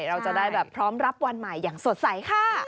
เราจะได้แบบพร้อมรับวันใหม่อย่างสดใสค่ะ